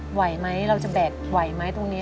ไหวไหมเราจะแบกไหวไหมตรงนี้